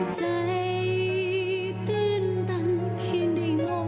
ใจตื่นตันเพียงได้มอง